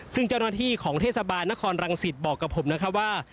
ซึ่งเจ้าหน้าที่ของเทศบาลนครรังสิตบอกกับผมนะครับว่า